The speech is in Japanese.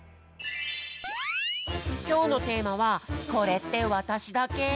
きょうのテーマは「これってわたしだけ？」。